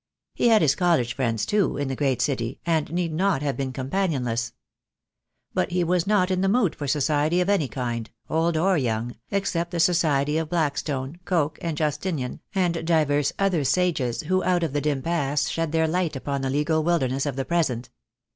He had his college friends, too, in the great city, and need not have gone companionless. But he was not in the mood for society of any kind, old or young, except the society of Blackstone, Coke, and Justinian, and divers other sages who out of the dim past shed their light upon the legal wilderness of the present.